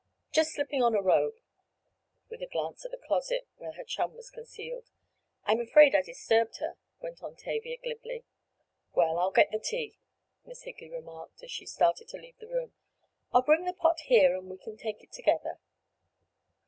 "Just slipping on a robe," with a glance at the closet where her chum was concealed. "I'm afraid I disturbed her," went on Tavia glibly. "Well, I'll get the tea," Miss Higley remarked, as she started to leave the room. "I'll bring the pot here and we can take it together."